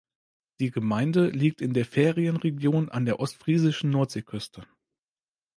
Die Gemeinde liegt in der Ferienregion an der ostfriesischen Nordseeküste.